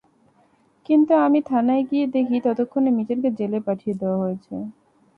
কিন্তু আমি থানায় গিয়ে দেখি, ততক্ষণে মিজানকে জেলে পাঠিয়ে দেওয়া হয়েছে।